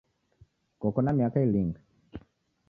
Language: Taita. Koko na miaka ilinga?.